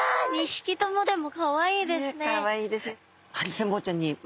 ２ひきともでもかわいいですね。